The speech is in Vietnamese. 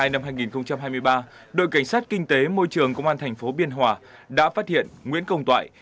năm hai nghìn hai mươi ba đội cảnh sát kinh tế môi trường công an thành phố biên hòa đã phát hiện nguyễn công toại